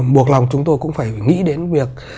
buộc lòng chúng tôi cũng phải nghĩ đến việc